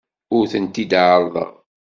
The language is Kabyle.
Ur tent-id-ɛerrḍeɣ.